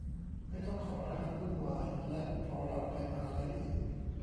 ไม่ต้องขอรหัสวุ่นวาย และพอเราไปมหาลัยอื่น